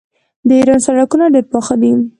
د ایران سړکونه ډیر پاخه دي.